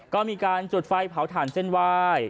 ก็มีการจุดไฟเผาถ่านเส้นไหว้